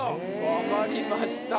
わかりました。